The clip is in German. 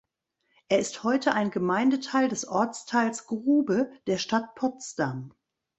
Er ist heute ein Gemeindeteil des Ortsteils Grube der Stadt Potsdam.